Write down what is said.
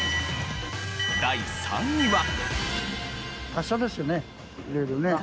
第３位は。